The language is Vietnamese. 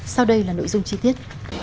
sau đây là nội dung chi tiết